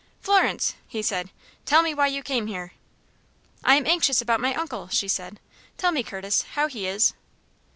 "Florence!" he said. "Tell me why you came here?" "I am anxious about my uncle," she said. "Tell me, Curtis, how he is."